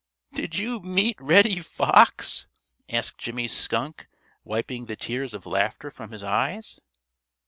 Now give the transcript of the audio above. "Did you meet Reddy Fox?" asked Jimmy Skunk, wiping the tears of laughter from his eyes.